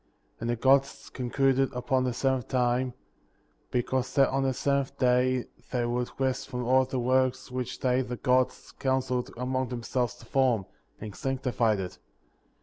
3. And the Gods concluded upon the seventh time,*' because that on the seventh time they would rest from all their works which they (the Gods) coun seled among themselves to form ; and sanctified it.